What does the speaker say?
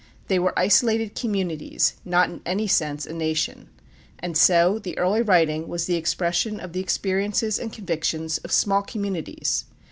They were isolated communities, not in any sense a nation. And so the early writing was the expression of the experiences and convictions of small communities.